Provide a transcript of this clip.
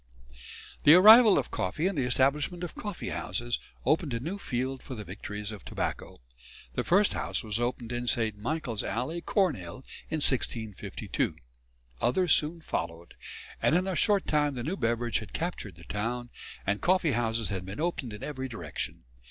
The arrival of coffee and the establishment of coffee houses opened a new field for the victories of tobacco. The first house was opened in St. Michael's Alley, Cornhill, in 1652. Others soon followed, and in a short time the new beverage had captured the town, and coffee houses had been opened in every direction.